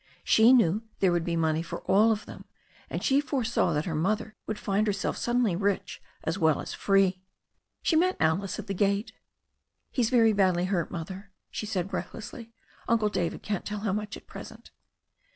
She knew there would be money for all of them, and she foresaw that her mother would find herself suddenly rich as well as free. She met Alice at the gate. "He's very badly hurt. Mother," she said breathlessly. "Uncle David can't tell how much at present."